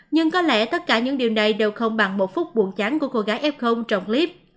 nhưng có lẽ tất cả những điều này đều không bằng một phút buồn chán của cô gái f trong clip